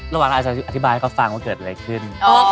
ระหว่างคราวจะอธิบายให้เขาฟังว่าเกิดอะไรขึ้น